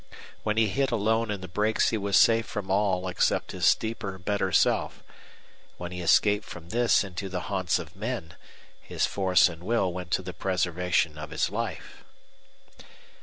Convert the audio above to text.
When he hid alone in the brakes he was safe from all except his deeper, better self; when he escaped from this into the haunts of men his force and will went to the preservation of his life.